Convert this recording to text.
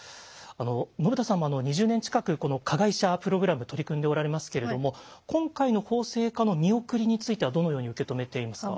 信田さんも２０年近くこの加害者プログラム取り組んでおられますけれども今回の法制化の見送りについてはどのように受け止めていますか？